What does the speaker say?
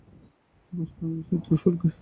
তুমি অসাধারণ একজন চিত্রশিল্পী।